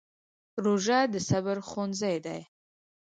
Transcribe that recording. روژه د صبر ښوونځی دی.